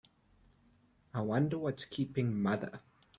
I wonder what's keeping mother?